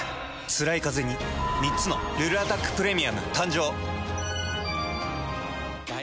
つらいカゼに３つの「ルルアタックプレミアム」誕生。